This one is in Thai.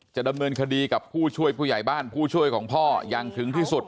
จะดำเนินคดีกับผู้ช่วยผู้ใหญ่บ้านผู้ช่วยของพ่ออย่างถึงที่สุด